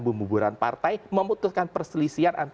pembuburan partai memutuskan perselisihan